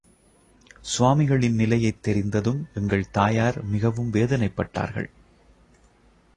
சுவாமிகளின் நிலையைத் தெரிந்ததும் எங்கள் தாயார் மிகவும் வேதனைப்பட்டார்கள்.